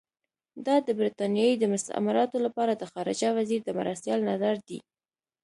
دا د برټانیې د مستعمراتو لپاره د خارجه وزیر د مرستیال نظر دی.